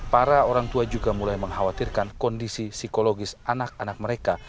para orang tua juga mulai mengkhawatirkan kondisi psikologis anak anak mereka